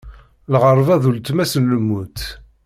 Lɣeṛba d ultma-s n lmut.